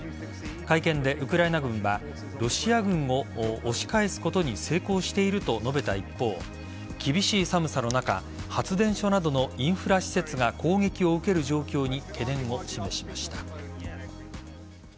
会見でウクライナ軍はロシア軍を押し返すことに成功していると述べた一方厳しい寒さの中発電所などのインフラ施設が攻撃を受ける状況に懸念を示しました。